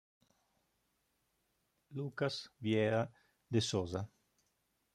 Lucas Vieira de Souza